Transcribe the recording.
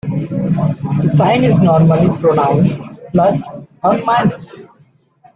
The sign is normally pronounced "plus or minus".